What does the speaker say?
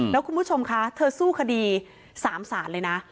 แล้วคุณผู้ชมคะเธอสู้คดี๓ศาลเลยนะ